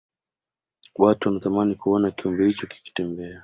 watu wanatamani kuona kiumbe hicho kikitembea